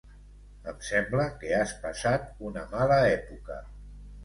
Em sembla que has passat una mala època.